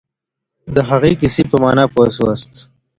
د هغې کیسې په مانا پوه سواست؟